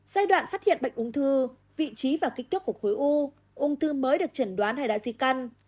giai đoạn phát hiện bệnh ung thư vị trí và kích thước của khối u ung thư mới được chẩn đoán hay đã di căn